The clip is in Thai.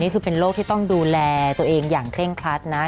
คือเป็นโรคที่ต้องดูแลตัวเองอย่างเคร่งครัดนะ